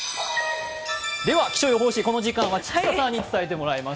気象予報士、この時間は千種さんに伝えてもらいます。